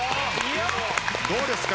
どうですか？